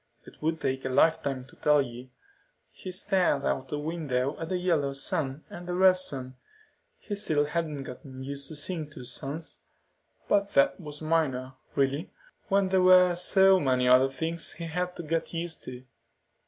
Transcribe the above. "It would take a lifetime to tell you." He stared out the window at the yellow sun and the red sun. He still hadn't gotten used to seeing two suns. But that was minor, really, when there were so many other things he had to get used to.